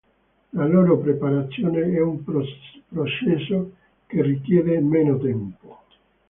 La loro preparazione è un processo che richiede meno tempo.